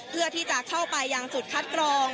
เพื่อที่จะเข้าไปยังจุดคัดกรอง